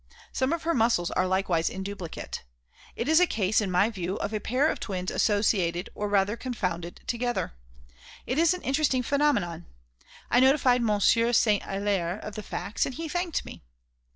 Some of her muscles are likewise in duplicate. It is a case, in my view, of a pair of twins associated or rather confounded together. It is an interesting phenomenon. I notified Monsieur Saint Hilaire of the facts, and he thanked me.